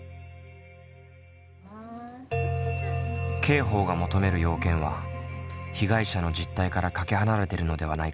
刑法が求める要件は被害者の実態からかけ離れてるのではないか。